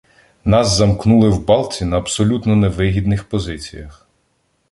Нас замкнули в балці на абсолютно невигідних позиціях.